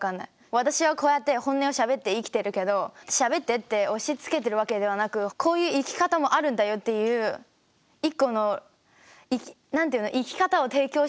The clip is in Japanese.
私はこうやって本音をしゃべって生きてるけどしゃべってって押しつけてるわけではなくこういう生き方もあるんだよっていう１個の何て言うの生き方を提供してる。